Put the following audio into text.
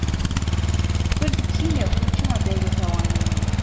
Kurd kî ne, û çima dewleta wan nîne?